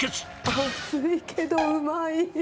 熱いけどうまい。